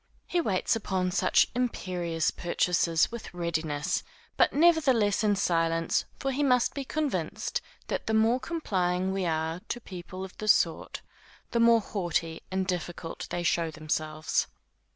He waits upon such imperious purchasers with readiness, but nevertheless in silence, for he must be convinced that the more complying we are to people of this sort, the more haughty and difficult they show themselves.